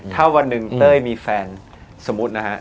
ถ้าวันหนึ่งเต้ยมีแฟนสมมุตินะฮะ